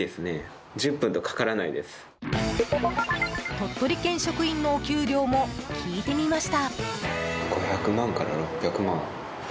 鳥取県職員のお給料も聞いてみました。